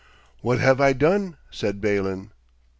'What have I done?' said Balin.